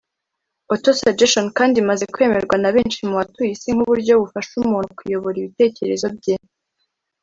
Auto suggestion kandi imaze kwemerwa na benshi mu batuye isi nk’uburyo bufasha umuntu kuyobora ibitekerezo bye